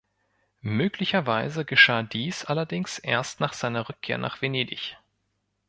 Möglicherweise geschah dies allerdings erst nach seiner Rückkehr nach Venedig.